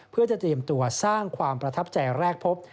เพื่อจะเตรียมตัวสร้างความประทับใจแรกพบ